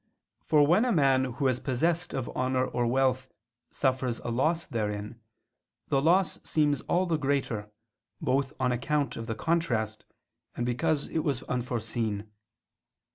For when a man who is possessed of honor or wealth, suffers a loss therein, the loss seems all the greater, both on account of the contrast, and because it was unforeseen.